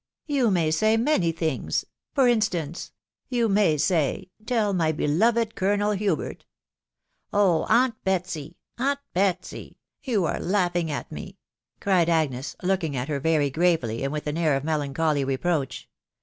" You may say many things .... For instance, •••• you may say, Tell my beloved Colonel Hubert ...."" Oh J aunt Betsy !.... aunt Betsy ! you are laughing at me," cried Agnes, looking at her very gravely, and with an air of melancholy reproach.